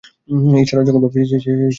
ইশারা যখনই পাবে সেই মুহূর্তে চড়ে বসো।